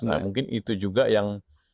nah mungkin itu juga yang